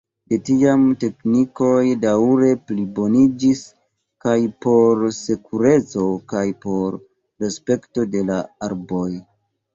De tiam teknikoj daŭre pliboniĝis kaj por sekureco kaj por respekto de la arboj.